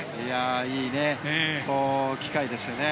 いい機会ですよね。